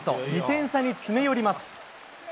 ２点差に詰め寄ります。